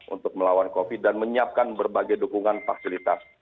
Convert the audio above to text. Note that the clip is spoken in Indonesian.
untuk melawan covid dan menyiapkan berbagai dukungan fasilitas